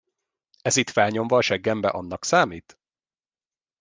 Ez itt felnyomva a seggembe annak számít?